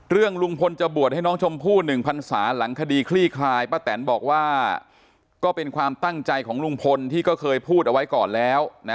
ลุงพลจะบวชให้น้องชมพู่๑พันศาหลังคดีคลี่คลายป้าแตนบอกว่าก็เป็นความตั้งใจของลุงพลที่ก็เคยพูดเอาไว้ก่อนแล้วนะ